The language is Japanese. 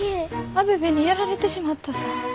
アベベにやられてしまったさぁ。